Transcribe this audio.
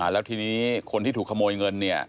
แล้วทีนี้คนที่ถูกขโมยเงินเนี่ย